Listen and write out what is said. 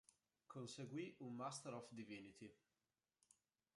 Conseguì un Master of Divinity.